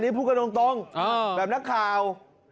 นี่พูดกันตรงแบบนักข่าว